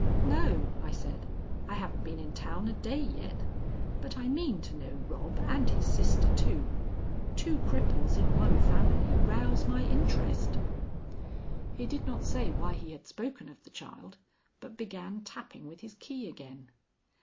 "No," I said; "I haven't been in town a day yet, but I mean to know Rob and his sister too. Two cripples in one family rouse my interest." He did not say why he had spoken of the child, but began tapping with his key again.